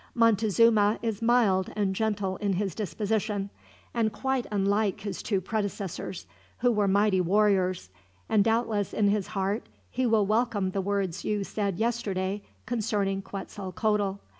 "Montezuma is mild and gentle in his disposition, and quite unlike his two predecessors, who were mighty warriors; and doubtless, in his heart, he will welcome the words you said yesterday concerning Quetzalcoatl.